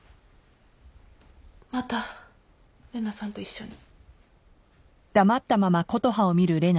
また玲奈さんと一緒に。